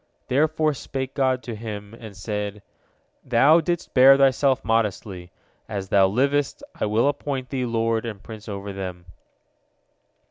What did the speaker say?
Therefore spake God to him, and said, "Thou didst bear thyself modestly. As thou livest, I will appoint thee lord and prince over them."